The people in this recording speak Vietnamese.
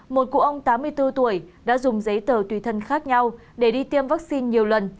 một cụ ông tám mươi bốn tuổi đã dùng giấy tờ tùy thân khác nhau để đi tiêm vaccine nhiều lần